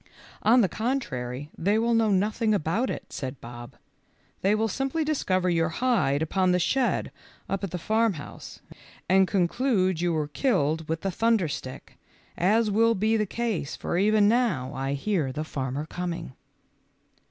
" On the contrary they will know nothing about it," said Bob ; "they will simply discover your hide upon the shed up at the farmhouse, and conclude you were killed with the thunder stick, as will be the case, for even now I hear the farmer coming."